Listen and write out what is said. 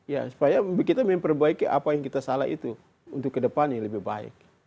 ya supaya kita memperbaiki apa yang kita salah itu untuk kedepannya lebih baik